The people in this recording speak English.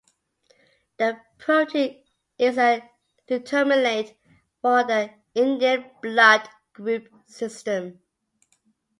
The protein is a determinant for the Indian blood group system.